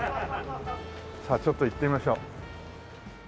さあちょっと行ってみましょう。